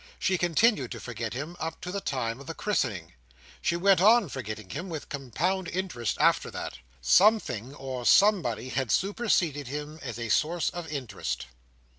She continued to forget him up to the time of the christening. She went on forgetting him with compound interest after that. Something or somebody had superseded him as a source of interest.